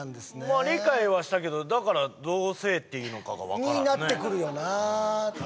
まあ理解はしたけどだからどうせえっていうのかが分からんになってくるよな